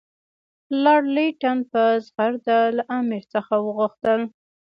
لارډ لیټن په زغرده له امیر څخه وغوښتل.